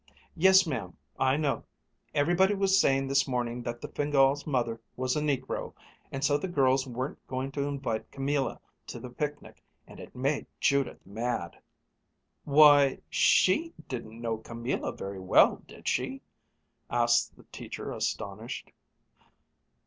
"Yes, ma'am, I know. Everybody was saying this morning that the Fingáls' mother was a negro, and so the girls weren't going to invite Camilla to the picnic, and it made Judith mad." "Why, she didn't know Camilla very well, did she?" asked the teacher, astonished.